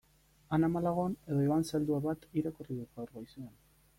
Ana Malagon edo Iban Zaldua bat irakurri dut gaur goizean.